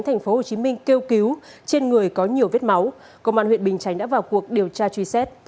tp hcm kêu cứu trên người có nhiều vết máu công an huyện bình chánh đã vào cuộc điều tra truy xét